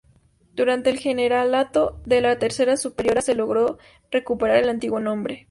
Durante el generalato de la tercera superiora, se logró recuperar el antiguo nombre.